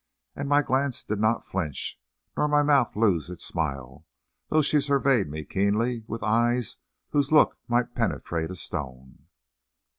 And my glance did not flinch, nor my mouth lose its smile, though she surveyed me keenly with eyes whose look might penetrate a stone.